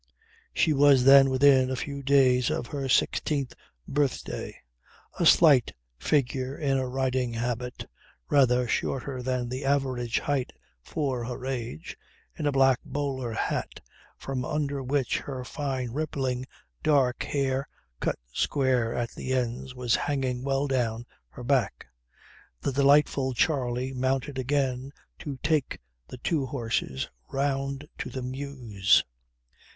She was then within a few days of her sixteenth birthday, a slight figure in a riding habit, rather shorter than the average height for her age, in a black bowler hat from under which her fine rippling dark hair cut square at the ends was hanging well down her back. The delightful Charley mounted again to take the two horses round to the mews.